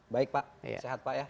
baik pak sehat pak ya